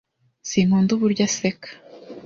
Sinkunda uburyo aseka.